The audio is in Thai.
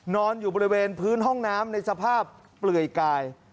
นอนอยู่บริเวณพื้นห้องน้ำในสภาพเปลือยกาย